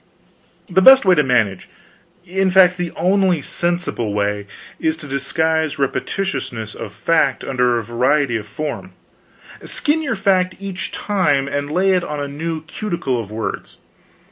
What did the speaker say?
The best way to manage in fact, the only sensible way is to disguise repetitiousness of fact under variety of form: skin your fact each time and lay on a new cuticle of words.